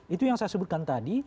itu yang saya sebutkan tadi